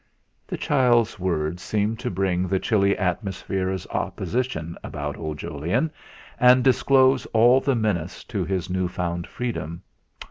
The child's words seemed to bring the chilly atmosphere of opposition about old Jolyon, and disclose all the menace to his new found freedom.